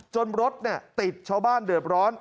จนรถติดชาวบ้านเดิมร้อน